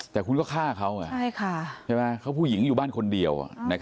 แต่คุณก็ฆ่าเขาเขาผู้หญิงอยู่บ้านคนเดียว